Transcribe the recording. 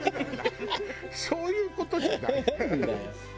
そういう事じゃない。